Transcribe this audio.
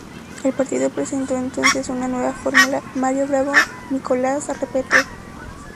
El partido presentó entonces una nueva fórmula, Mario Bravo-Nicolás Repetto.